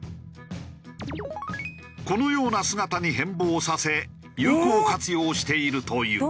このような姿に変貌させ有効活用しているという。